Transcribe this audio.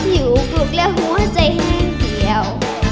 อยู่กลุ่งแล้วหัวใจแห้งเหี่ยว